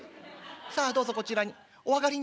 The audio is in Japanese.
さあどうぞこちらにお上がりになって」。